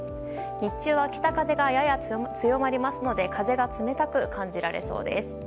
日中は北風がやや強まりますので風が冷たく感じられそうです。